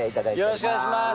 よろしくお願いします。